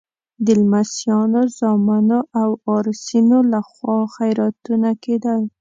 د لمسیانو، زامنو او وارثینو لخوا خیراتونه کېدل.